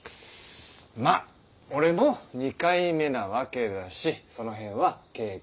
まあ俺も２回目なわけだしその辺は経験を生かして。